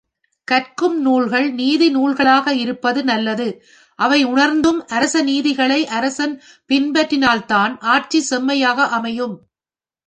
கற்கும் நூல்கள் நீதிநூல்களாக இருப்பது நல்லது அவை உணர்த்தும் அரசநீதிகளை அரசன் பின்பற்றினால்தான் ஆட்சி செம்மையாக அமையும்.